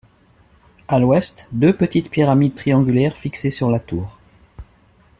À l'ouest, deux petites pyramides triangulaires fixées sur la tour.